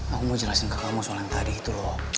aku mau jelasin ke kamu soal yang tadi itu loh